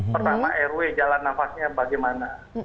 pertama rw jalan nafasnya bagaimana